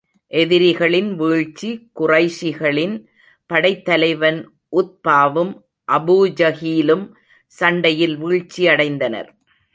எதிரிகளின் வீழ்ச்சி குறைஷிகளின் படைத்தலைவன் உத்பாவும், அபூஜஹீலும், சண்டையில் வீழ்ச்சியடைந்தனர்.